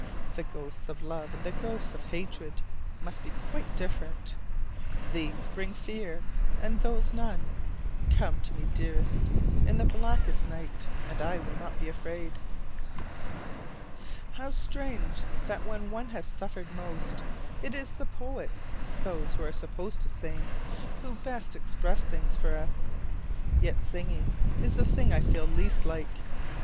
The ghosts of love and the ghosts of hatred must be quite different: these bring fear, and those none. Come to me, dearest, in the blackest night, and I will not be afraid. How strange that when one has suffered most, it is the poets (those who are supposed to sing) who best express things for us. Yet singing is the thing I feel least like.